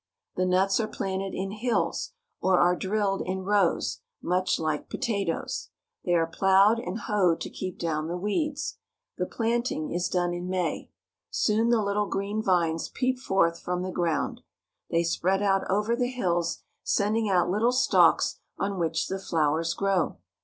The nuts are planted in hills or are drilled in rows, much like potatoes. They are plowed and hoed to keep down the weeds. The planting is done in May. Soon the little green vines peep forth from the ground. They spread out over the hills, sending out Httle stalks on which the flowers grow.